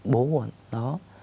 bố của nó